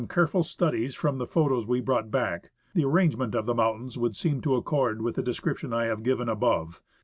careful studies from the photos we brought hack, the arrangement of the mountains would seem to accord with the description I have given above.